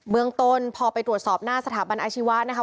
เมืองต้นพอไปตรวจสอบหน้าสถาบันอาชีวะนะคะ